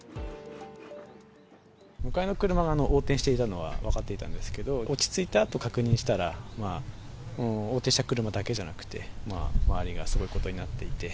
向かいの車が横転していたのは分かっていたんですけれども、落ち着いたあと確認したら、横転した車だけじゃなくて周りがすごいことになっていて。